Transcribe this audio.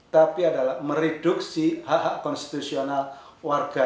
tapi adalah mereduksi hak hak konstitusional warga